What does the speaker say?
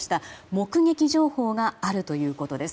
目撃情報があるということです。